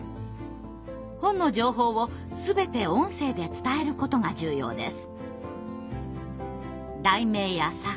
本の情報を全て音声で伝えることが重要です。